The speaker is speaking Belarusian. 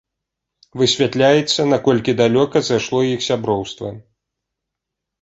Высвятляецца, наколькі далёка зайшло іх сяброўства.